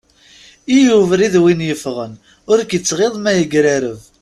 I ubrid win i yeffɣen, ur k-ittɣiḍ ma yegrareb.